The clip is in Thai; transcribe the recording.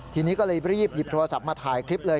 ทีนี้ก็เลยรีบหยิบโทรศัพท์มาถ่ายคลิปเลย